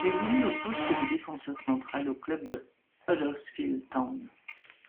Il évolue au poste de défenseur central au club de Huddersfield Town.